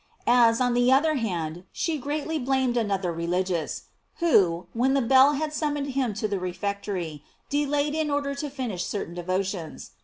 As, on the other hand, she greatly blamed another religious, who, when the bell had summoned him to the refectory, de layed in order to finish certain devotions.